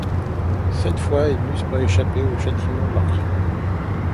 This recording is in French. Cette fois, ils n’eussent pas échappé au châtiment de leurs crimes...